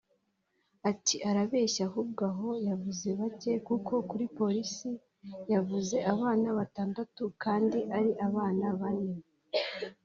Ati “ Arabeshya ahubwo aho yavuze bake kuko kuri polisi yavuze abana batandatu kandi ari abana bane